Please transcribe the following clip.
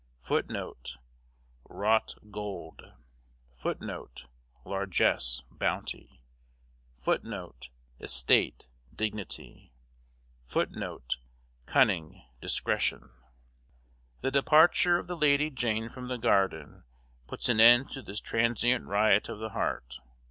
* Wrought gold. + Largesse, bounty. ++ Estate, dignity. & Cunning, discretion. The departure of the Lady Jane from the garden puts an end to this transient riot of the heart.